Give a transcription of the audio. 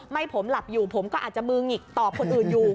ไม่ผมหลับอยู่ผมก็อาจจะมือหงิกตอบคนอื่นอยู่